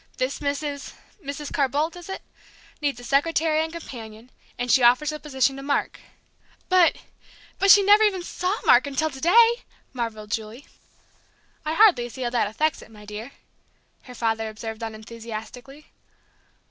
This Mrs. Mrs. Carr Boldt is it? needs a secretary and companion; and she offers the position to Mark." "But but she never even saw Mark until to day!" marvelled Julie. "I hardly see how that affects it, my dear!" her father observed unenthusiastically.